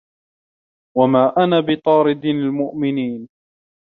وَما أَنا بِطارِدِ المُؤمِنينَ